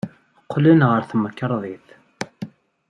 Qqlent ɣer temkarḍit.